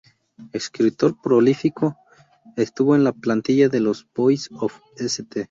Escritor prolífico, estuvo en la plantilla de los Boys of St.